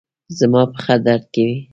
زما پښه درد کوي